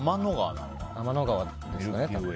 天の川ですかね、多分。